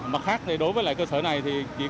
mặt khác thì đối với loại cơ sở này thì chỉ có